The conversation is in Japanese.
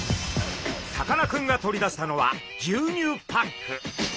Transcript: さかなクンが取り出したのは牛乳パック。